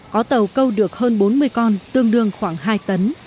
có tàu câu được hơn bốn mươi con tương đương khoảng hai tấn